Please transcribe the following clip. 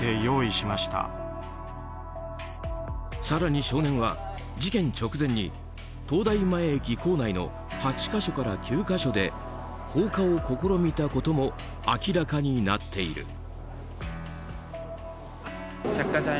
更に少年は、事件直前に東大前駅構内の８か所から９か所で放火を試みたことも明らかになっている。